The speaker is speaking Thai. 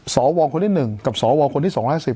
สอวร์คนที่หนึ่งกับสอวร์คนที่๒๕๐